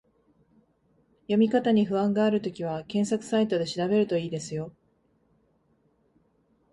読み方に不安があるときは、検索サイトで調べると良いですよ